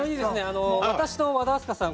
私と、和田明日香さん